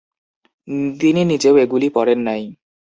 তিনি নিজেও এগুলি পড়েন নাই।